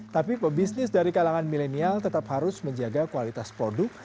tapi pebisnis dari kalangan milenial tetap harus menjaga kualitas produk